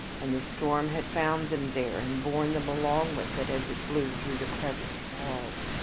And the storm had found them there and borne them along with it as it blew through the creviced walls.